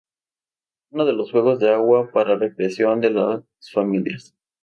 Uno de los juegos de agua para recreación de las familias.